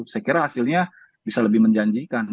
saya kira hasilnya bisa lebih menjanjikan